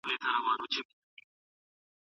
د مطالعې فرهنګ د هېواد د پرمختګ لاره ده.